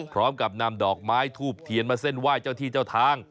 พร้อมกับนำดอกไม้ทูบเทียนมาเส้นไหว้เจ้าที่เจ้าทาง